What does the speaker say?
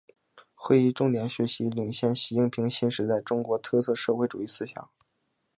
会议重点学习领会习近平新时代中国特色社会主义思想